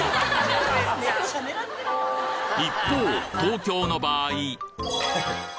一方、東京の場合。